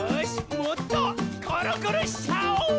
もっとコロコロしちゃおー！